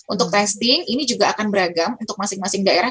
untuk testing ini juga akan beragam untuk masing masing daerah